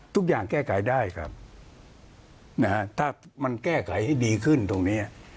ทุกอย่างแก้ไขได้ครับนะฮะถ้ามันแก้ไขให้ดีขึ้นตรงนี้